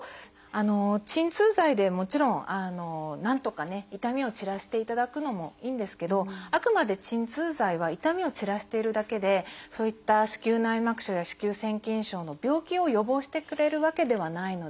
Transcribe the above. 鎮痛剤でもちろんなんとかね痛みを散らしていただくのもいいんですけどあくまで鎮痛剤は痛みを散らしているだけでそういった子宮内膜症や子宮腺筋症の病気を予防してくれるわけではないので。